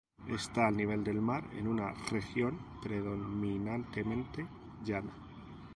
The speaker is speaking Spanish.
Está al nivel del mar en una región predominante llana.